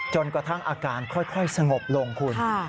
จนกระทั่งอาการค่อยสงบลงคุณ